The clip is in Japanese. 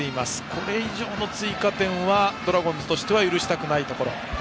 これ以上の追加点はドラゴンズとしては許したくないところ。